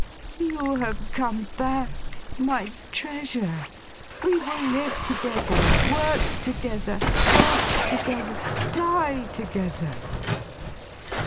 'You have come back. My Treasure! We will live together, work together, hope together, die together!